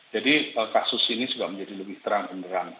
jadi kasus ini juga menjadi lebih terang terang